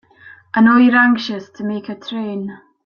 I know you're anxious to make a train.